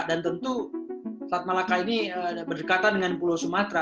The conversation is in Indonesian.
dan tentu selat malaka ini berdekatan dengan pulau sumatra